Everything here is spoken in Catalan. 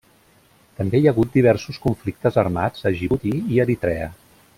També hi ha hagut diversos conflictes armats a Djibouti i Eritrea.